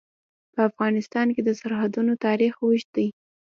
په افغانستان کې د سرحدونه تاریخ اوږد دی.